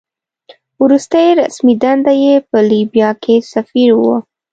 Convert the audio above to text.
وروستۍ رسمي دنده یې په لیبیا کې سفیر وه.